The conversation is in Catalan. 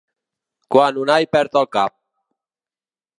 Quan Unai perd el cap.